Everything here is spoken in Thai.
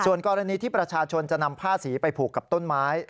ส่วนกรณีที่ประชาชนจะนำผ้าสีไปผูกกับต้นไม้